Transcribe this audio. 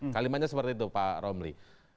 kalimatnya seperti itu pak romli